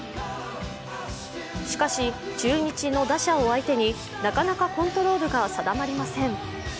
しかし、中日の打者を相手になかなかコントロールが定まりません。